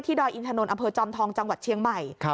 ดอยอินทนนทอำเภอจอมทองจังหวัดเชียงใหม่